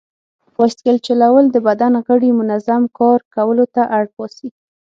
بایسکل چلول د بدن غړي منظم کار کولو ته اړ باسي.